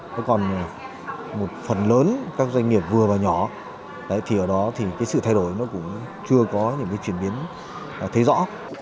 thế còn một phần lớn các doanh nghiệp vừa và nhỏ thì ở đó thì cái sự thay đổi nó cũng chưa có những cái chuyển biến thấy rõ